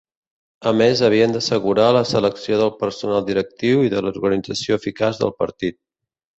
A més havien d'assegurar la selecció del personal directiu i de l'organització eficaç del partit.